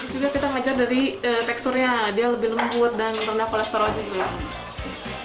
kita hajar dari teksturnya dia lebih lembut dan rendah kolesterol